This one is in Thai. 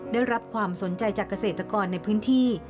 ได้รับความสนใจจากเกษตรกรในพื้นที่